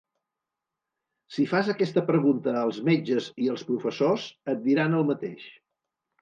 Si fas aquesta pregunta als metges i als professors, et diran el mateix.